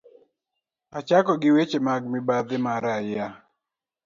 Achako gi weche mag mibadhi ma raia